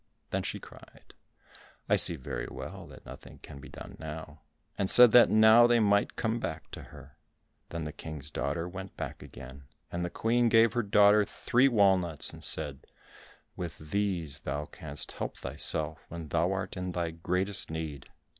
Then she cried, "I see very well that nothing can be done now," and said that now they might come back to her. Then the King's daughter went back again, and the Queen gave her daughter three walnuts, and said, "With these thou canst help thyself when thou art in thy greatest need."